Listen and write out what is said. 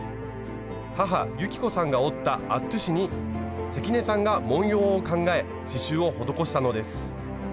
母雪子さんが織ったアットゥに関根さんが文様を考え刺しゅうを施したのです。